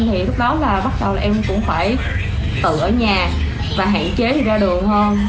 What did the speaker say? thì lúc đó là bắt đầu em cũng phải tự ở nhà và hạn chế ra đường hơn